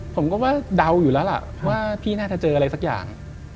ผมก็ว่าเดาอยู่แล้วล่ะว่าพี่น่าจะเจออะไรสักอย่าง